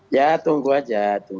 ya tunggu aja